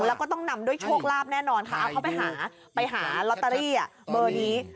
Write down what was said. แล้วก็ต้องนำด้วยโชคลาภแน่นอนค่ะเอาเขาไปหาไปหาลอตเตอรี่เบอร์นี้